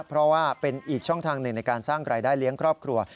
เพราะว่าเป็นอีกช่องทางหนึ่งในการสร้างรายได้เลี้ยงครอบครัว